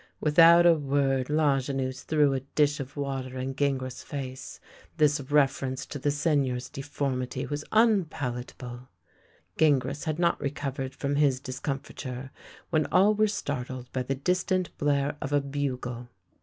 Without a word Lajeunesse threw a dish of water in Gingras' face. This reference to the Seigneur's de formity was unpalatable. Gingras had not recovered from his discomfiture when all were startled by the distant blare of a bugle.